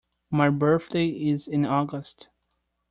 My birthday is in August.